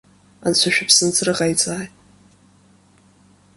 Анцәа шәыԥсынҵры ҟаиҵааит.